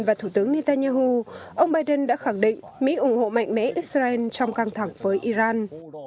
và thủ tướng netanyahu ông biden đã khẳng định mỹ ủng hộ mạnh mẽ israel trong căng thẳng với iran